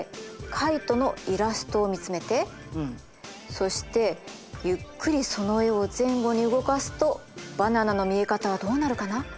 そしてゆっくりその絵を前後に動かすとバナナの見え方はどうなるかな？